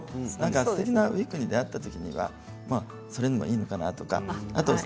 すてきなウイッグに出会った時はそれでもいいのかなと。